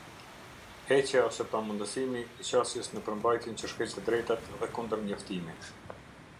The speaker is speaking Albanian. Heqja ose pamundësimi i qasjes në përmbajtjen që shkel të drejtat dhe kundër-njoftimi.